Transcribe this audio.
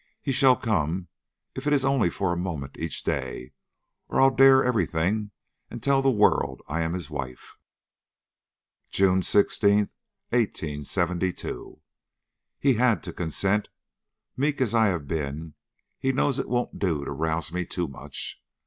He shall come, if it is only for a moment each day, or I'll dare every thing and tell the world I am his wife." "JUNE 16, 1872. He had to consent! Meek as I have been, he knows it won't do to rouse me too much.